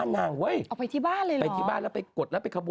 นางคิดแบบว่าไม่ไหวแล้วไปกด